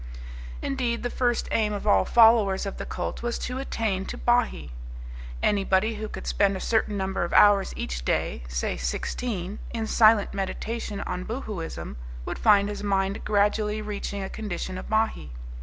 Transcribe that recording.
Indeed, the first aim of all followers of the cult was to attain to Bahee. Anybody who could spend a certain number of hours each day, say sixteen, in silent meditation on Boohooism would find his mind gradually reaching a condition of Bahee.